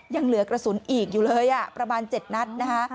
ยังเหลือกระสุนอีกอยู่เลยประมาณ๗นัดนะคะ